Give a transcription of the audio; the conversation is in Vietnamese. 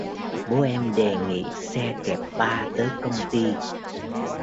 bố em đề nghị xe kẹp ba tới công ty